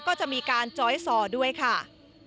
ก็จะมีการจ้อยสอด้วยค่ะ